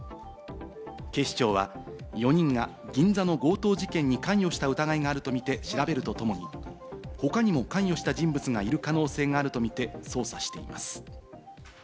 警視庁は４人が銀座の強盗事件に関与した疑いがあるとみて調べるとともに、他にも関与した人物がいる可能性があるとみて捜査しています。